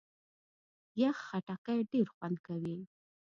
یخ خټکی ډېر خوند کوي.